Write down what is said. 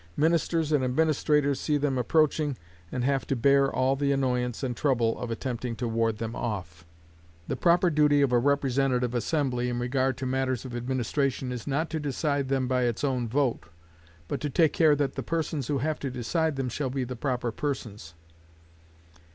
Ministers and administrators see them approaching, and have to bear all the annoyance and trouble of attempting to ward them off. The proper duty of a representative assembly in regard to matters of administration is not to decide them by its own vote, but to take care that the persons who have to decide them shall be the proper persons.